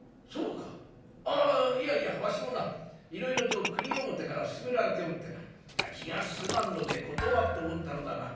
あいやいやわしもないろいろと国表から薦められておってな気が進まんので断っておったのだが。